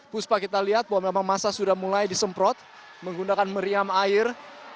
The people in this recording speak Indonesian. puspa kita lihat bahwa memang masa sudah mulai disemprot menggunakan meriam air